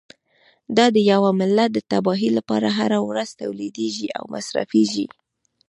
دا د یوه ملت د تباهۍ لپاره هره ورځ تولیدیږي او مصرفیږي.